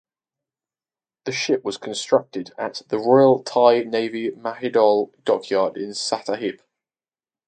The ship was constructed at the Royal Thai Navy Mahidol Dockyard in Sattahip.